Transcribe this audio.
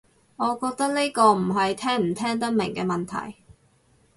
我覺得呢個唔係聽唔聽得明嘅問題